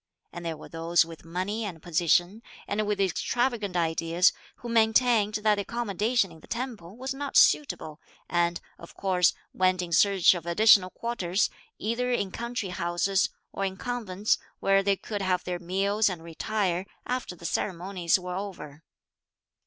And there were those with money and position, and with extravagant ideas, who maintained that the accommodation in the temple was not suitable, and, of course, went in search of additional quarters, either in country houses, or in convents, where they could have their meals and retire, after the ceremonies were over.